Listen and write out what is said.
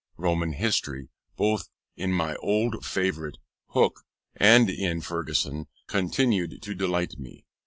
Roman history, both in my old favourite, Hooke, and in Ferguson, continued to delight me.